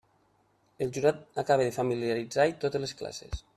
El jurat acaba de familiaritzar-hi totes les classes.